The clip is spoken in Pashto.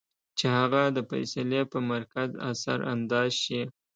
چې هغه د فېصلې پۀ مرکز اثر انداز شي -